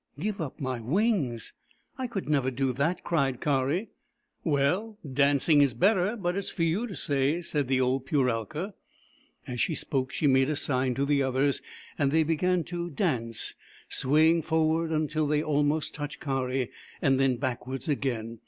" Give up my wings ! I could never do that," cried Kari. " Well, dancing is better. But it is for you to say," said the old Puralka. As she spoke, she made a sign to the others, and they began to dance, swaying forward until they almost touched Kari, and then backwards again.